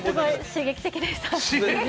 刺激的でした。